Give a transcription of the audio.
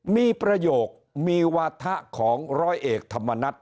มีประโยคมีวาถะของร้อยเอกธรรมนัฐ